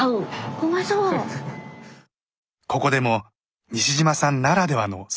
ここでも西島さんならではの想像が。